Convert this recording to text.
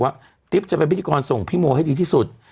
ติ๊บจะเป็นพิธีกรส่งพี่โมให้ดีที่สุด